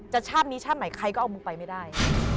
ชาตินี้ชาติใหม่ใครก็เอามึงไปไม่ได้